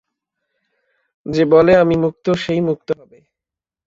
যে বলে আমি মুক্ত, সেই মুক্ত হবে।